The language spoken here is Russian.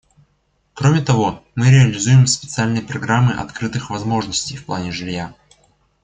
Кроме того, мы реализуем специальные программы открытых возможностей в плане жилья.